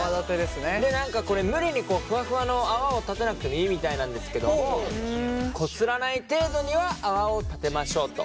で何かこれ無理にふわふわの泡を立てなくてもいいみたいなんですけどもこすらない程度には泡を立てましょうと。